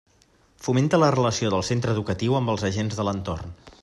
Fomenta la relació del centre educatiu amb els agents de l'entorn.